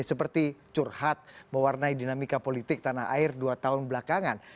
seperti curhat mewarnai dinamika politik tanah air dua tahun belakangan